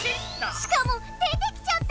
しかも出てきちゃった！